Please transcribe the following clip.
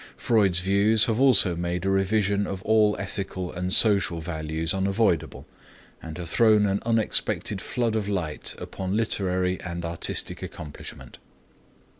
Freud's views have also made a revision of all ethical and social values unavoidable and have thrown an unexpected flood of light upon literary and artistic accomplishment.